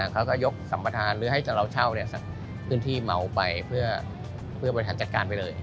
เขาก็ยกสัมประธานหรือให้เราเช่าพื้นที่เหมาไปเพื่อบริหารจัดการไปเลย